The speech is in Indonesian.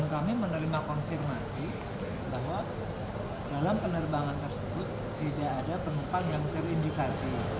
kami menerima konfirmasi bahwa dalam penerbangan tersebut tidak ada penumpang yang terindikasi